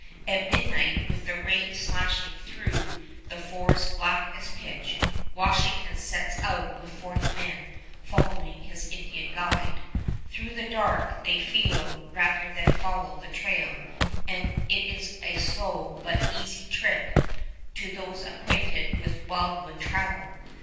At midnight, with the rain slashing through the forest black as pitch, Washington sets out with forty men, following his Indian guide. Through the dark they feel rather than follow the trail, and it is a slow but an easy trick to those acquainted with wildwood travel.